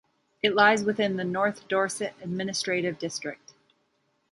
It lies within the North Dorset administrative district.